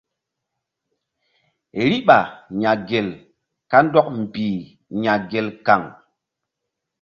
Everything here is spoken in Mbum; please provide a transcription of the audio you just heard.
Riɓa ya̧ gel kandɔk mbih ya̧ gel kan.